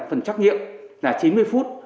phần chấp nghiệm là chín mươi phút